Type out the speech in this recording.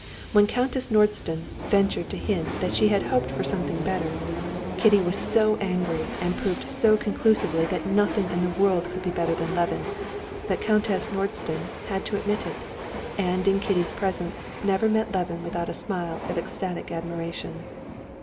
When Countess Nordston ventured to hint that she had hoped for something better, Kitty was so angry and proved so conclusively that nothing in the world could be better than Levin, that Countess Nordston had to admit it, and in Kitty's presence never met Levin without a smile of ecstatic admiration.